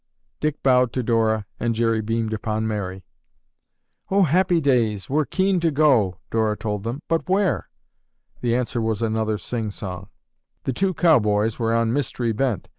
Dick bowed to Dora and Jerry beamed upon Mary. "Oh, Happy Days! We're keen to go," Dora told them, "but where?" The answer was another sing song: "The two cowboys were on mystery bent.